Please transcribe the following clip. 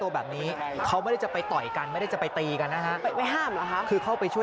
บางคนจะวิ่งจะวิ่งต่อไปตะปกก็มีฮะ